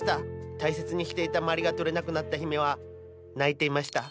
大切にしていたまりが取れなくなった姫は泣いていました。